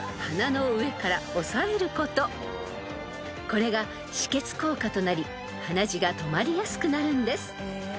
［これが止血効果となり鼻血が止まりやすくなるんです］